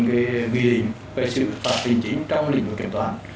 kỳ định về sự phạt hình chính trong lĩnh vực kiểm toán